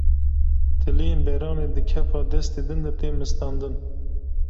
Tiliyên beranê di kefa destê din de tê mistandin